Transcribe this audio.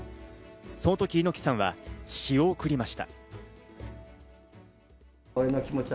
その時、猪木さんは詩を送りました。